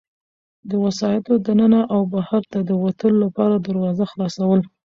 د وسایطو د ننه او بهرته د وتلو لپاره دروازه خلاصول.